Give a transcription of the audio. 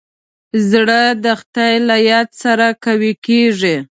زړه د خدای له یاد سره قوي کېږي.